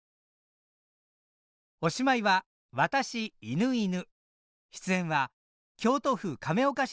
おしまいは「わたし、犬、いぬ」